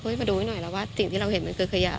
มาดูให้หน่อยแล้วว่าสิ่งที่เราเห็นมันคือขยะ